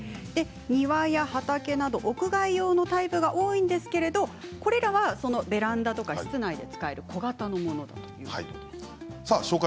庭や畑など屋外用のタイプが多いんですけれどこれらはベランダや室内で使える小型のものということです。